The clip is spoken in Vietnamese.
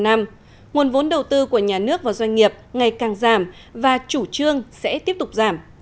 nguồn vốn đầu tư của nhà nước vào doanh nghiệp ngày càng giảm và chủ trương sẽ tiếp tục giảm